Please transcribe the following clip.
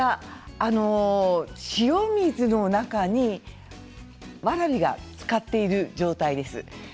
塩水の中にわらびがつかっている状態です。